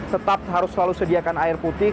tetap harus selalu sediakan air putih